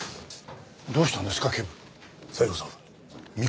どうしたんですか？